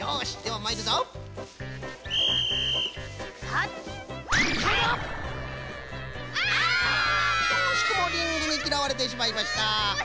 おしくもリングにきらわれてしまいました。